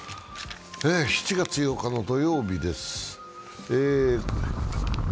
７月８日の土曜日です。